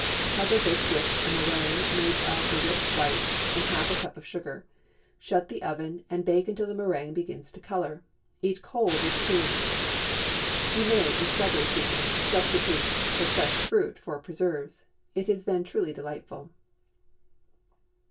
Cover this with a méringue made of the whipped whites and half a cup of sugar. Shut the oven and bake until the méringue begins to color. Eat cold, with cream. You may, in strawberry season, substitute the fresh fruit for preserves. It is then truly delightful.